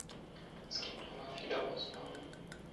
Es gibt aber viele Ausnahmen.